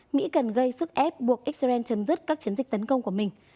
mỹ cần gây sức ép buộc israel chấm dứt các chiến dịch tấn công của mình